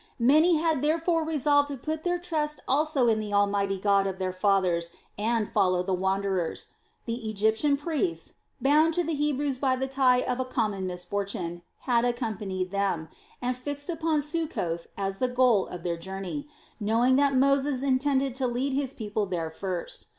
Many had therefore resolved to put their trust also in the mighty God of their fathers and follow the wanderers; the Egyptian priests, bound to the Hebrews by the tie of a common misfortune, had accompanied them, and fixed upon Succoth as the goal of their journey, knowing that Moses intended to lead his people there first.